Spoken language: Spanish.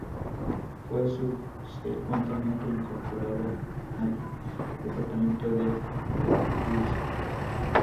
Fue subsecuentemente incorporada al departamento de Vaucluse.